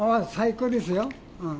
最高ですよ。